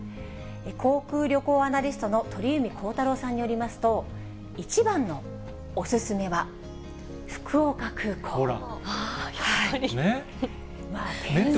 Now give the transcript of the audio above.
航空旅行アナリストの鳥海高太朗さんによりますと、１番のお勧めほら。